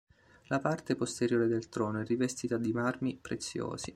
La parte posteriore del trono è rivestita di marmi preziosi.